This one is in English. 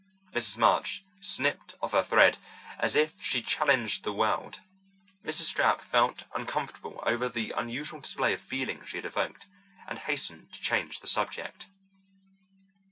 Mrs. March snipped off her thread, as if she challenged the world. Mrs. Stapp felt uncomfortable over the unusual display of feeling she had evoked, and hastened to change the subject.